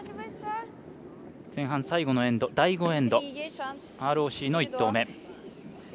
前半最後のエンド、第５エンドＲＯＣの１投目。